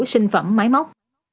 sinh phẩm máy móc